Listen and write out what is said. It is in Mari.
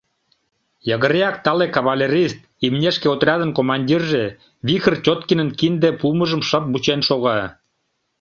Йыгыреак тале кавалерист, имнешке отрядын командирже Вихыр Тёткинын кинде пуымыжым шып вучен шога.